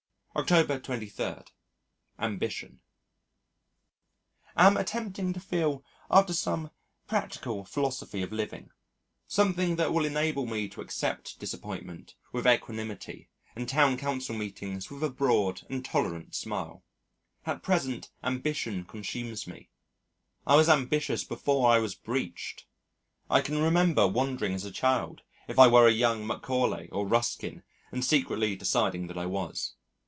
October 23. Ambition Am attempting to feel after some practical philosophy of living something that will enable me to accept disappointment with equanimity and Town Council meetings with a broad and tolerant smile. At present, ambition consumes me. I was ambitious before I was breeched. I can remember wondering as a child if I were a young Macaulay or Ruskin and secretly deciding that I was.